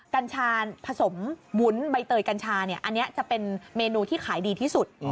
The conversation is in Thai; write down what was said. กัญชาผสมวุ้นใบเตยกัญชาอันนี้จะเป็นเมนูที่ขายดีที่สุด